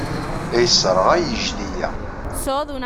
La yesserɣay yejdi-a.